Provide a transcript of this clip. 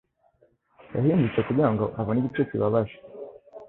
yahindutse kugirango abone igice kibabaje